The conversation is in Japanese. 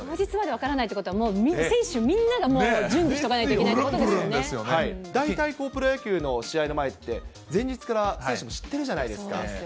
当日まで分からないということは、もう選手みんながもう準備しとかないといけないということ大体プロ野球の試合の前って、前日から選手も知ってるじゃないですか。